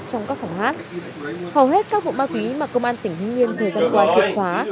trong các phòng hát hầu hết các vụ ma túy mà công an tỉnh hưng yên thời gian qua triệt phá